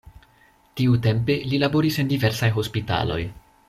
Tiutempe li laboris en diversaj hospitaloj.